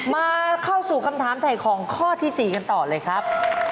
มาเข้าสู่คำถามถ่ายของข้อที่๔กันต่อเลยครับ